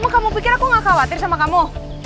aku pikir aku gak khawatir sama kamu